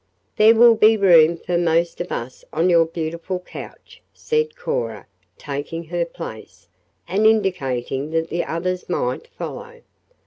"There will be room for most of us on your beautiful couch," said Cora, taking her place, and indicating that the others might follow.